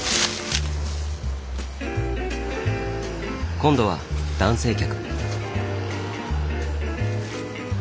今度は男性客。